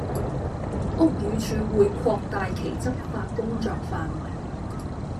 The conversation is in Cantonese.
屋宇署會擴大其執法工作範圍